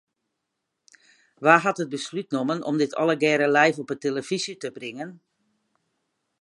Wa hat it beslút nommen om dit allegearre live op 'e telefyzje te bringen?